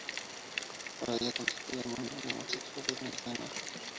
Araya contestó llamándole homosexual en escena.